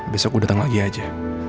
besok aku datang lagi aja